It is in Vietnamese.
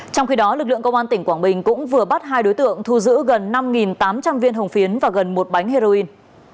trong khi đó lực lượng công an tỉnh quảng bình cũng vừa bắt hai đối tượng thu giữ gần năm tám trăm linh viên hồng phiến và gần một bánh heroin